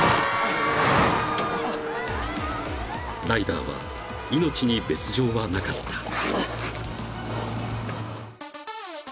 ［ライダーは命に別条はなかった］